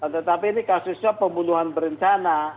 tetapi ini kasusnya pembunuhan berencana